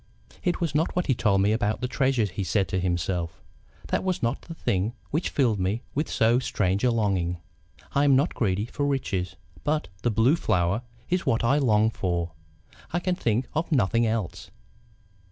"It was not what he told me about the treasures," he said to himself, "that was not the thing which filled me with so strange a longing. I am not greedy for riches. But the Blue Flower is what I long for. I can think of nothing else.